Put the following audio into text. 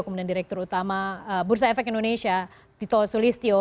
kemudian direktur utama bursa efek indonesia tito sulistyo